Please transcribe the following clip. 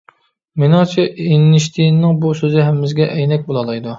مېنىڭچە ئېينىشتىيىننىڭ بۇ سۆزى ھەممىمىزگە ئەينەك بولالايدۇ.